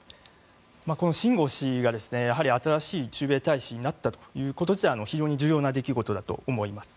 このシン・ゴウ氏がやはり新しい駐米大使になったということ自体は非常に重要な出来事だと思います。